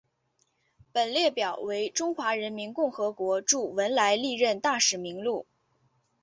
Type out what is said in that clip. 本列表为中华人民共和国驻文莱历任大使名录。